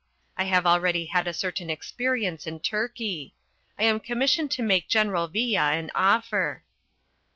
I have already had a certain experience in Turkey. I am commissioned to make General Villa an offer."